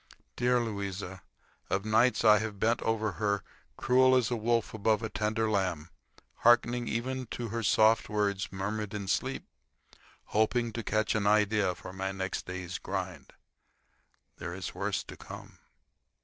Dear Louisa! Of nights I have bent over her cruel as a wolf above a tender lamb, hearkening even to her soft words murmured in sleep, hoping to catch an idea for my next day's grind. There is worse to come.